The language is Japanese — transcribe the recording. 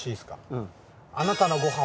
うん。